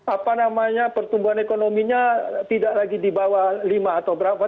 apa namanya pertumbuhan ekonominya tidak lagi di bawah lima atau berapa